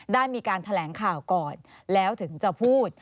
ได้มีการแถลงข่าวก่อนแล้วถึงจะพูด